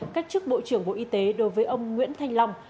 cách chức bộ trưởng bộ y tế đối với ông nguyễn thanh long